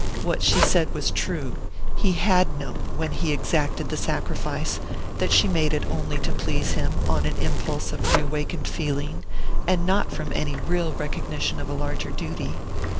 What she said was true he had known, when he exacted the sacrifice, that she made it only to please him, on an impulse of reawakened feeling, and not from any real recognition of a larger duty.